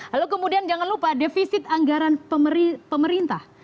lalu kemudian jangan lupa defisit anggaran pemerintah